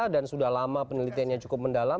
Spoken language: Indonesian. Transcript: dan sudah lama penelitiannya cukup mendalam